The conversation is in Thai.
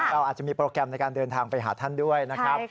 เราอาจจะมีโปรแกรมในการเดินทางไปหาท่านด้วยนะครับ